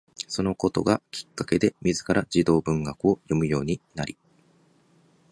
そのことがきっかけで自ら児童文学を読むようになり、父親も文学に興味があるため家には大量に本があり、光が欲しがるならば本を買い与えた